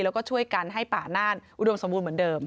แล้วก็ช่วยกันให้ป่าน่านอุดมสมบูรณ์เหมือนเดิม